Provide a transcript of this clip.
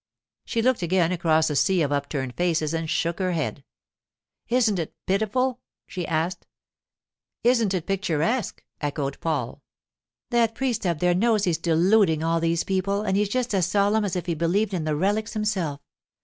She looked again across the sea of upturned faces and shook her head. 'Isn't it pitiful?' she asked. 'Isn't it picturesque?' echoed Paul. 'That priest up there knows he's deluding all these people, and he's just as solemn as if he believed in the relics himself.